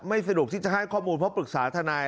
สะดวกที่จะให้ข้อมูลเพราะปรึกษาทนาย